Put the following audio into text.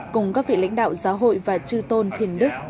cùng các vị lãnh đạo giáo hội và trư tôn thiền đức